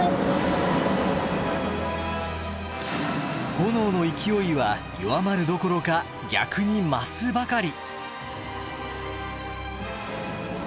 炎の勢いは弱まるどころか逆に増すばかり。